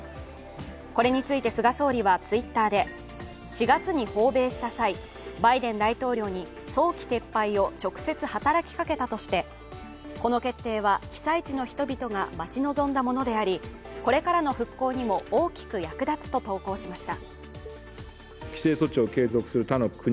これについて菅総理はＴｗｉｔｔｅｒで４月に訪米した際、バイデン大統領に早期撤廃を直接働きかけたとしてこの決定は被災地の人々が待ち望んだものでありこれからの復興にも大きく役立つと投稿しました。